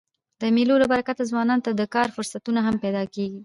د مېلو له برکته ځوانانو ته د کار فرصتونه هم پیدا کېږي.